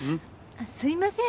すいません